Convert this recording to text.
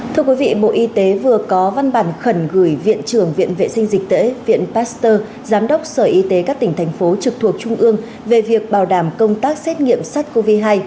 thưa quý vị bộ y tế vừa có văn bản khẩn gửi viện trưởng viện vệ sinh dịch tễ viện pasteur giám đốc sở y tế các tỉnh thành phố trực thuộc trung ương về việc bảo đảm công tác xét nghiệm sars cov hai